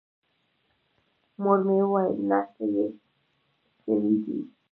مور مې وويل نه څه پې سوي دي.